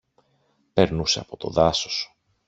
Περνούσε από το δάσος.